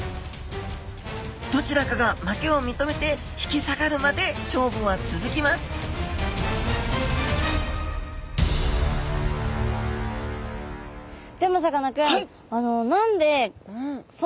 どちらかが負けを認めて引き下がるまで勝負は続きますでもさかなクン